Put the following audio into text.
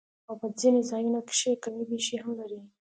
او پۀ ځنې ځايونو کښې کمی بېشی هم لري